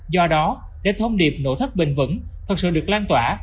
do đó để thông điệp nổ thất bình vững thật sự được lan tỏa